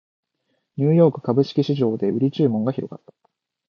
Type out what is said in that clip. ニューヨーク株式市場で売り注文が広がった